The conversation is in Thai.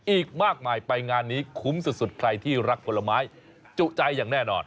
อีกมากมายไปงานนี้คุ้มสุดใครที่รักผลไม้จุใจอย่างแน่นอน